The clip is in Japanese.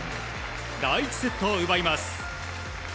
第１セットを奪います。